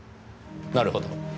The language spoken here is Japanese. なるほど。